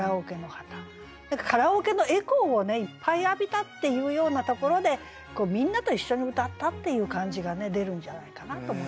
何かカラオケのエコーをいっぱい浴びたっていうようなところでみんなと一緒に歌ったっていう感じが出るんじゃないかなと思いますね。